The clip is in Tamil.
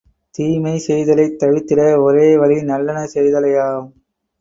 தீமை செய்தலைக் தவிர்த்திட ஒரே வழி நல்லன செய்தலேயாம்.